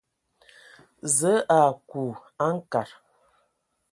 Zǝə a aku a nkad.